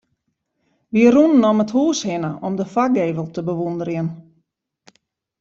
Wy rûnen om it hús hinne om de foargevel te bewûnderjen.